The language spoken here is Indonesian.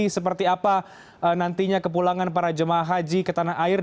seperti apa nantinya kepulangan para jemaah haji ke tanah air